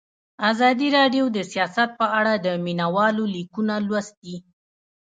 ازادي راډیو د سیاست په اړه د مینه والو لیکونه لوستي.